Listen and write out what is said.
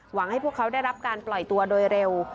ให้พวกเขาได้รับการปล่อยตัวโดยเร็ว